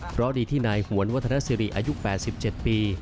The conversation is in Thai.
เพราะดีที่นายหวนวัฒนสิริอายุ๘๗ปี